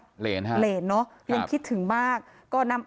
นี่ค่ะคือที่นี้ตัวใยทวดที่ทำให้สามีเธอเสียชีวิตรึเปล่าแล้วก็ไปพบศพในคลองหลังบ้าน